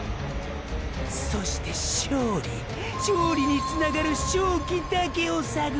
そして「勝利」ーー「勝利」につながる勝機だけをさぐる！！